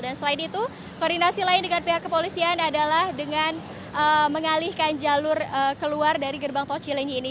dan selain itu koordinasi lain dengan pihak kepolisian adalah dengan mengalihkan jalur keluar dari gerbang tol cilenyi ini